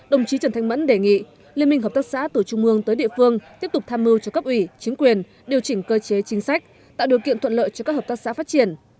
đồng chí trần thanh mẫn đề nghị liên minh hợp tác xã từ trung mương tới địa phương tiếp tục tham mưu cho cấp ủy chính quyền điều chỉnh cơ chế chính sách tạo điều kiện thuận lợi cho các hợp tác xã phát triển